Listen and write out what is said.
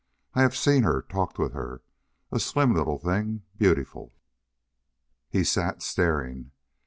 I have seen her, talked with her. A slim little thing beautiful...." He sat staring.